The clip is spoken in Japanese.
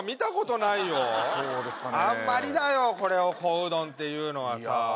あんまりだよこれを小うどんっていうのはさ